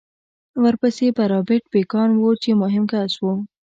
ورپسې به رابرټ بېکان و چې مهم کس و